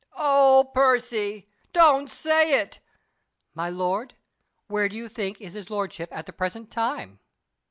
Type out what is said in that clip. "Oh, Percy! Don't say it!" "My lord, where do you think is his lordship at the present time?"